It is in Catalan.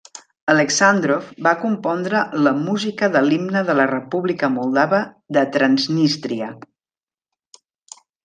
Aleksàndrov va compondre la música de l'Himne de la República Moldava de Transnístria.